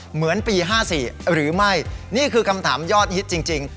เหมือนปี๕๔หรือไม่นี่คือคำถามยอดฮิตจริง